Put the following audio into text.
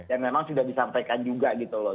yang memang sudah disampaikan juga gitu loh